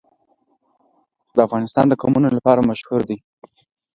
افغانستان د قومونه لپاره مشهور دی.